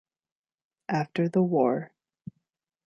After the war.